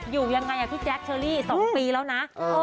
อยู่ยังไงพี่แจ๊คเชอรี่๒ปีแล้วนะ